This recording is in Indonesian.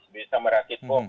bisa merakit bom